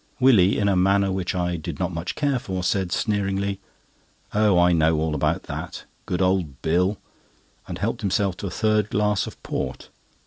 Willie, in a manner which I did not much care for, said sneeringly: "Oh, I know all about that—Good old Bill!" and helped himself to a third glass of port.